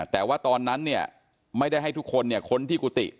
แต่ว่าตอนนั้นเนี่ยไม่ได้ให้ทุกคนเนี่ยค้นที่กุฏิ